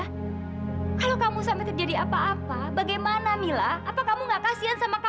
kalau kamu sampai terjadi apa apa bagaimana mila apa kamu enggak kasihan sama kava